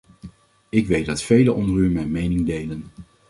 Ik weet dat velen onder u mijn mening delen.